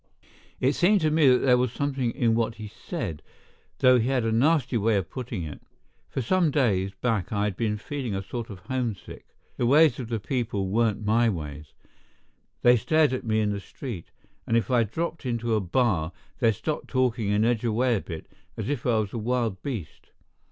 It seemed to me that there was something in what he said, though he had a nasty way of putting it. For some days back I'd been feeling a sort of homesick. The ways of the people weren't my ways. They stared at me in the street; and if I dropped into a bar, they'd stop talking and edge away a bit, as if I was a wild beast.